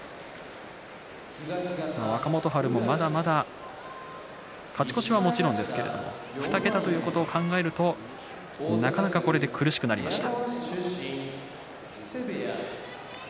若元春もまだまだ勝ち越しはもちろんですけれど２桁ということを考えるとなかなかこれで苦しくなりました。